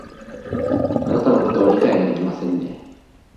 あなたのことを理解ができませんね